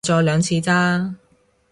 買咗兩次咋